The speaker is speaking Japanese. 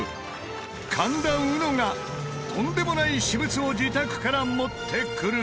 神田うのがとんでもない私物を自宅から持ってくる！